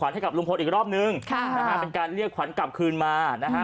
ให้กับลุงพลอีกรอบนึงค่ะนะฮะเป็นการเรียกขวัญกลับคืนมานะฮะ